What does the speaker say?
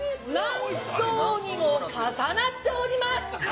◆何層にも重なっております。